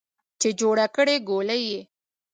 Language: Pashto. چې جوړه کړې ګولۍ یې